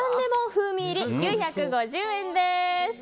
風味入り９５０円です。